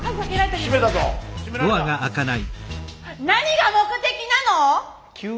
何が目的なの！？